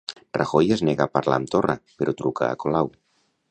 Rajoy es nega a parlar amb Torra però truca a Colau.